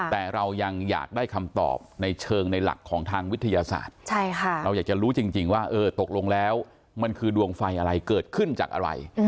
แต่เรายังอยากได้คำตอบในเชิงในหลักของทางวิทยาศาสตร์เราอยากจะรู้จริงว่าเออตกลงแล้วมันคือดวงไฟอะไรเกิดขึ้นจากอะไร